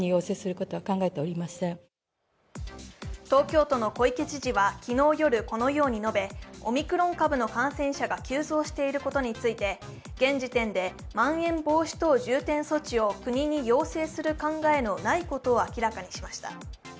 東京都の小池知事は昨日夜このように述べ、オミクロン株の感染者が急増していることについて、現時点でまん延防止等重点措置を国に要請せる考えのないことを明らかにしました。